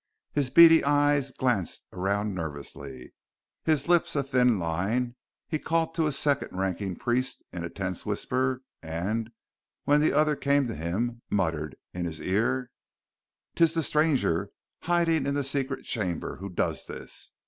His beady eyes glanced around nervously. His lips a thin line, he called to his second ranking priest in a tense whisper, and, when the other came to him, muttered in his ear: "'Tis the stranger, hiding in the secret chamber, who does this!